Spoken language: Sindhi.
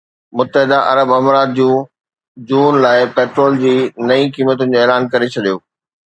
متحده عرب امارات جون جون لاءِ پيٽرول جي نئين قيمتن جو اعلان ڪري ڇڏيو